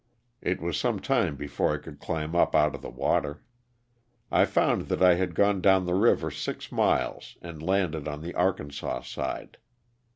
It was some time before I could climb up out of the water. I found that I had gone down the river six miles and landed on the Arkansas side.